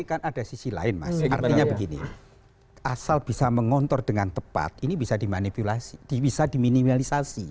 ini kan ada sisi lain mas artinya begini asal bisa mengontor dengan tepat ini bisa dimanipulasi bisa diminimalisasi